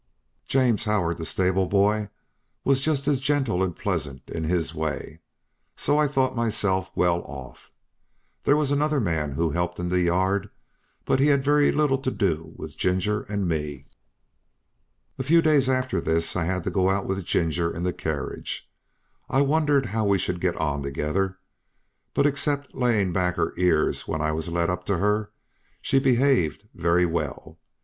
James Howard, the stable boy, was just as gentle and pleasant in his way, so I thought myself well off. There was another man who helped in the yard, but he had very little to do with Ginger and me. A few days after this I had to go out with Ginger in the carriage. I wondered how we should get on together; but except laying her ears back when I was led up to her, she behaved very well.